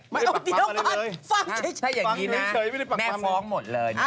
เด๋วก่อนฟังเฉยแม่ฟ้องหมดเลยนะ